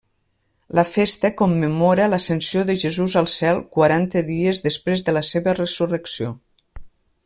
La festa commemora l'Ascensió de Jesús al cel quaranta dies després de la seva resurrecció.